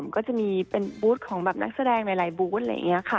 ก็จะมีเป็นบูธของแบบนักแสดงหลายบูธอะไรอย่างนี้ค่ะ